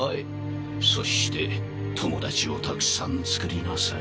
そして友達をたくさんつくりなさい。